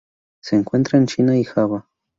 Se encuentra en China y Java.